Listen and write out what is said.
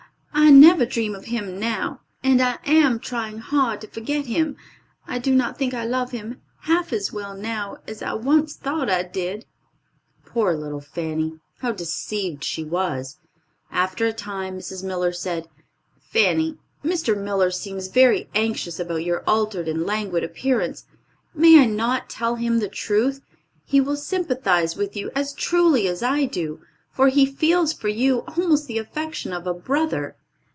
I never dream of him now, and I am trying hard to forget him. I do not think I love him half as well now as I once thought I did." Poor little Fanny! How deceived she was! After a time Mrs. Miller said, "Fanny, Mr. Miller seems very anxious about your altered and languid appearance. May I not tell him the truth? He will sympathize with you as truly as I do; for he feels for you almost the affection of a brother."